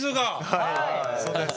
そうです。